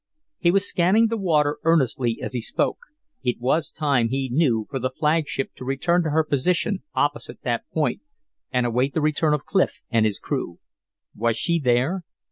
He was scanning the water earnestly as he spoke. It was time, he knew, for the flagship to return to her position opposite that point, and await the return of Clif and his crew. Was she there?